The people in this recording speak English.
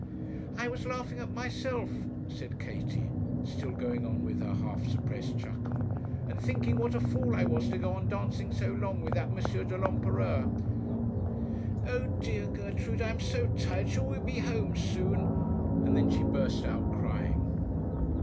'I was laughing at myself,' said Katie, still going on with her half suppressed chuckle, 'and thinking what a fool I was to go on dancing so long with that M. de l'Empereur. Oh dear, Gertrude, I am so tired: shall we be home soon?' and then she burst out crying.